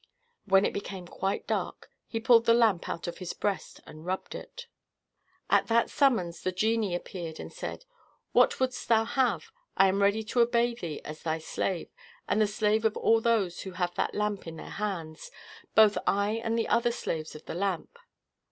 When it became quite dark, he pulled the lamp out of his breast and rubbed it. At that summons the genie appeared, and said, "What wouldst thou have? I am ready to obey thee as thy slave, and the slave of all those who have that lamp in their hands; both I and the other slaves of the lamp."